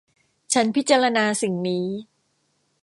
ฉันพิจารณาสิ่งนี้